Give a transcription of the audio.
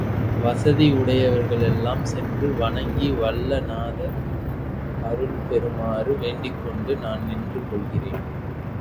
வசதி உடையவர்கள் எல்லாம் சென்று வணங்கி வல்ல நாதர் அருள் பெறுமாறு வேண்டிக்கொண்டு நான் நின்று கொள்கிறேன்.